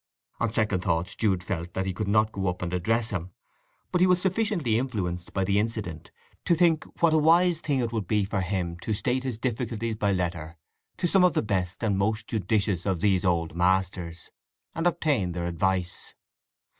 On second thoughts Jude felt that he could not go up and address him; but he was sufficiently influenced by the incident to think what a wise thing it would be for him to state his difficulties by letter to some of the best and most judicious of these old masters, and obtain their advice.